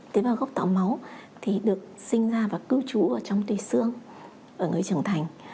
tế bảo gốc tạo máu thì được sinh ra và cưu trú trong tùy xương ở người trưởng thành